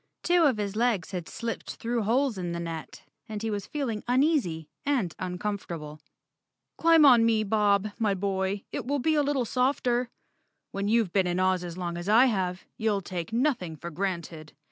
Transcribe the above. Two of his legs had slipped through holes in the net and he was feeling uneasy and uncomfort¬ able. " Climb on me, Bob, my boy. It will be a little softer. WTien you've been in Oz as long as I have; you'll take nothing for granted."